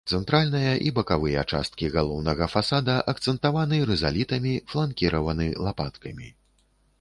Цэнтральная і бакавыя часткі галоўнага фасада акцэнтаваны рызалітамі, фланкіраваны лапаткамі.